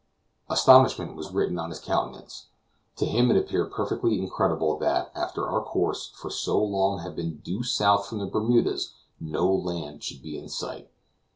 Astonishment was written on his countenance; to him it appeared perfectly incredible that, after our course for so long had been due south from the Bermudas, no land should be in sight.